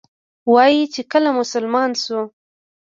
وایي چې کله مسلمان شو.